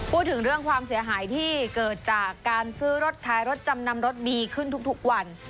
พูดถึงเรื่องความเสียหายที่เกิดจากการซื้อรถขายรถจำนำรถดีขึ้นทุกวัน